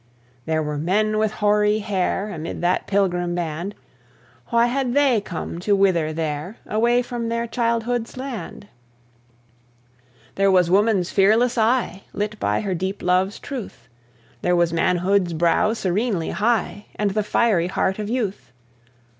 There were men with hoary hair, Amid that pilgrim band; Why had they come to wither there, Away from their childhood's land? There was woman's fearless eye, Lit by her deep love's truth; There was manhood's brow serenely high, And the fiery heart of youth.